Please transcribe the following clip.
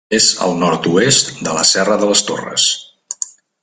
És al nord-oest de la Serra de les Torres.